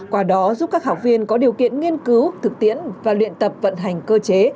qua đó giúp các học viên có điều kiện nghiên cứu thực tiễn và luyện tập vận hành cơ chế